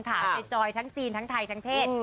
ทาสละคนจอยทั้งจีนทั้งไทยทั้งเพศ